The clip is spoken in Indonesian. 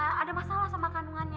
ada masalah sama kandungannya